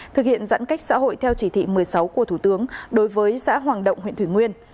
thực hiện giãn cách xã hội theo chỉ thị một mươi sáu của thủ tướng đối với xã hoàng động huyện thủy nguyên